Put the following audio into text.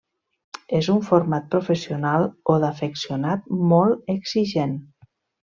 És un format professional o d'afeccionat molt exigent.